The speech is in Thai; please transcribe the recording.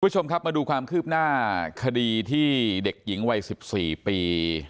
คุณผู้ชมครับมาดูความคืบหน้าคดีที่เด็กหญิงวัย๑๔ปี